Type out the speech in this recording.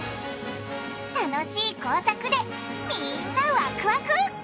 楽しい工作でみんなワクワク！